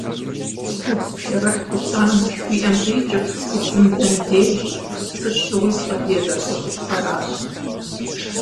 «ЦӀыхубз пшэрыхь хущанэ» жыхуиӀэм къикӀыр цӀыхубзым дэнэ дежи, сыт щыгъуи пщӀэ лей зэрыхуэщӀыпхъэрщ.